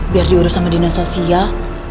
biar diurus sama dinas sosial